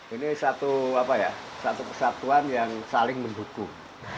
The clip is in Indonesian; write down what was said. ini satu kesatuan yang saling mendukung